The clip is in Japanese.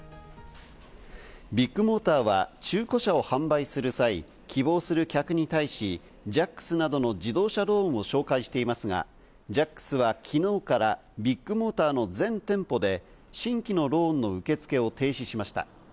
ビッグモーターは中古車を販売する際、希望する客に対し、ジャックスなどの自動車ローンを紹介していますが、ジャックスはきのうからビッグモーターの全店舗で新規のローンの受け付けを停止しました。